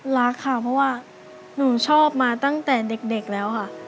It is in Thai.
รักค่ะเพราะว่าหนูชอบมาตั้งแต่เด็กแล้วค่ะ